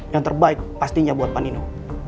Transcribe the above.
yang terbaik pastinya buat pak nino